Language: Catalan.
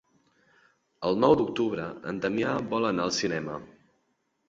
El nou d'octubre en Damià vol anar al cinema.